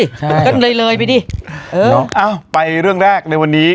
ใช่กันเรื่อยไปดิเออเอ้าไปเรื่องแรกในวันนี้